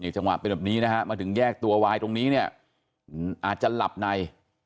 จังหวะเป็นแบบนี้นะฮะมาถึงแยกตัววายตรงนี้เนี่ยอาจจะหลับใน